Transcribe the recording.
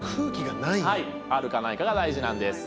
あるかないかが大事なんです。